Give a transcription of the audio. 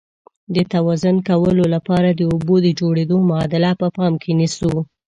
د توازن کولو لپاره د اوبو د جوړیدو معادله په پام کې نیسو.